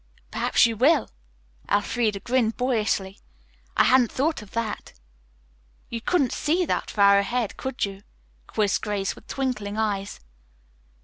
"Perhaps you will," Elfreda grinned boyishly. "I hadn't thought of that." "You couldn't see that far ahead, could you?" quizzed Grace with twinkling eyes.